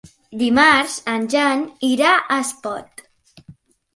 Dimarts en Jan irà a Espot.